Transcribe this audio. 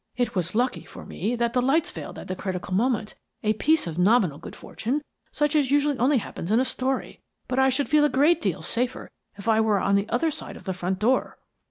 It was lucky for me that the lights failed at the critical moment a piece of nominal good fortune, such as usually only happens in a story. But I should feel a great deal safer if I were on the other side of the front door."